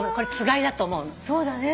そうだね。